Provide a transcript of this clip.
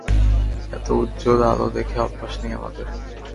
এতো উজ্জ্বল আলো দেখে অভ্যাস নেই আমাদের।